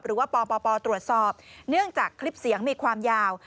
หรือว่าปปตรวจสอบเนื่องจากคลิปเสียงมีความยาว